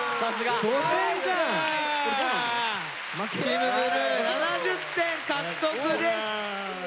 チームブルー７０点獲得です！ということで。